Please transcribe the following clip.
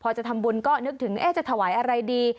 พอจะทำบุญก็นึกถึงจะถวายอะไรดี